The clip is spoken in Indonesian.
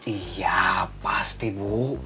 iya pasti bu